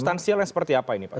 stansialnya seperti apa ini pak